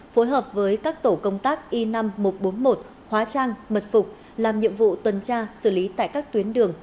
phối hợp với các tổ công tác i năm nghìn một trăm bốn mươi một hóa trang mật phục làm nhiệm vụ tuần tra xử lý tại các tuyến đường